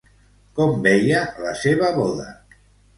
Com veia la seva boda?